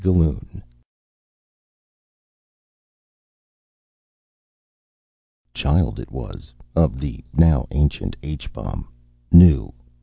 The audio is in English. GALLUN _Child, it was, of the now ancient H bomb. New.